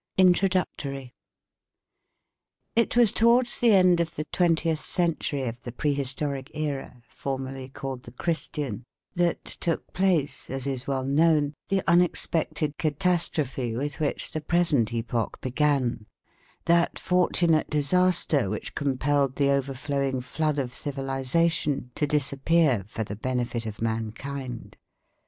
INTRODUCTORY It was towards the end of the twentieth century of the prehistoric era, formerly called the Christian, that took place, as is well known, the unexpected catastrophe with which the present epoch began, that fortunate disaster which compelled the overflowing flood of civilisation to disappear for the benefit of mankind.